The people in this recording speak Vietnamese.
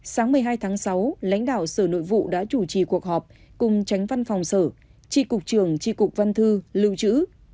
sáng một mươi hai tháng sáu lãnh đạo sở nội vụ đã chủ trì cuộc họp cùng tránh văn phòng sở tri cục trường tri cục văn thư lưu trữ